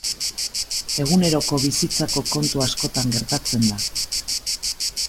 Eguneroko bizitzako kontu askotan gertatzen da.